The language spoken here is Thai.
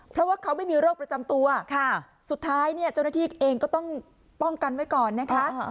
เพราะว่าเขาไม่มีโรคประจำตัวสุดท้ายเนี่ยเจ้าหน้าที่เองก็ต้องป้องกันไว้ก่อนนะคะ